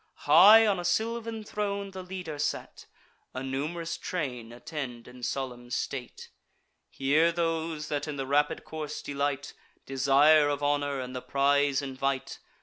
High on a sylvan throne the leader sate; A num'rous train attend in solemn state. Here those that in the rapid course delight, Desire of honour and the prize invite.